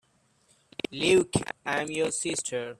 Luke, I am your sister!